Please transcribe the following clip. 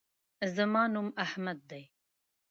زما نوم احمد دے